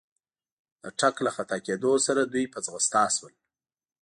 د ټک له خطا کېدو سره دوی په ځغستا شول.